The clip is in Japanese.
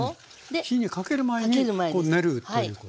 火にかける前に練るということ。